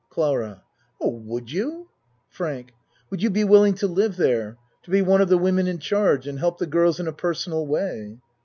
CLARA Oh would you? FRANK Would you be willing to live there? To be one of the women in charge and help the girls in a personal way?